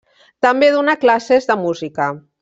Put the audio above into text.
També donà classes de música.